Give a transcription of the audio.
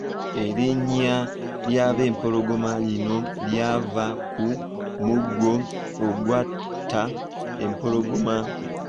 Erinnya ly’Abempologoma lino lyava ku muggo ogwatta empologoma.